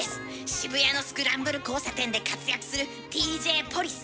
渋谷のスクランブル交差点で活躍するＤＪポリス！